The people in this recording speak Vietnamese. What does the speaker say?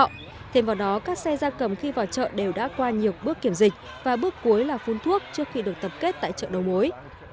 những người đi vào chợ đều đã qua nhiều bước kiểm dịch và bước cuối là phun thuốc trước khi được tập kết tại chợ đầu mối